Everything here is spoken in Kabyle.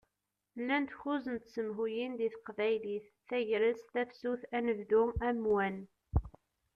Llant kuẓ n tsemhuyin di teqbaylit: Tagrest, Tafsut, Anebdu, Amwan.